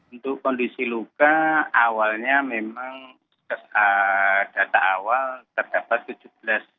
untuk kondisi luka awalnya memang data awal terdapat tujuh belas